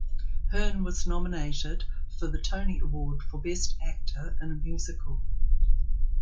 Hearn was nominated for the Tony Award for Best Actor in a Musical.